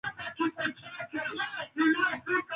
runinga ni njia thabiti kwa michezo ya kuigiza